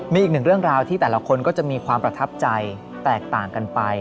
มีอีกหนึ่งเรื่องราวที่แต่ละคนก็จะมีความประทับใจแตกต่างกันไป